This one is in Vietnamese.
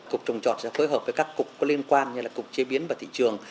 cục trồng trọt sẽ phối hợp với các cục có liên quan như là cục chế biến và thị trường